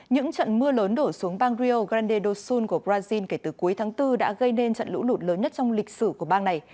những trận mưa lớn đổ xuống bang rio grande do sul của brazil kể từ cuối tháng bốn đã gây nên trận lũ lụt lớn nhất trong lịch sử của bang này